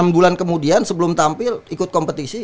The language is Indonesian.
enam bulan kemudian sebelum tampil ikut kompetisi